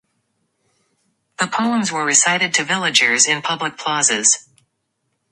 The poems were recited to villagers in public plazas.